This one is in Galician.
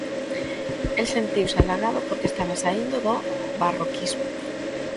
El sentiuse alagado porque estaba saíndo do barroquismo.